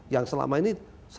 yang selama ini